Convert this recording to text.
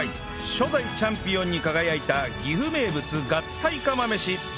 初代チャンピオンに輝いた岐阜名物合体釜飯